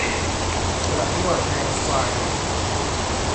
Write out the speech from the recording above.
กระอั้วแทงควาย